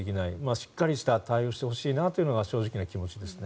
しっかりした対応をしてほしいなというのが正直な気持ちですね。